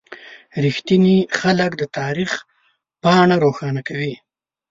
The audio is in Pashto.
• رښتیني خلک د تاریخ پاڼه روښانه کوي.